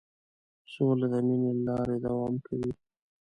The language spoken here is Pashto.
سوله د مینې له لارې دوام کوي.